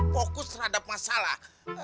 fokus terhadap masalah